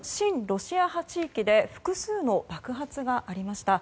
ロシア派地域で複数の爆発がありました。